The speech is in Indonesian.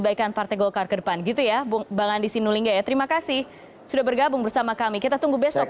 saatnya dibuat melawan transaksi publik juga dengan perhatian yang lebih baik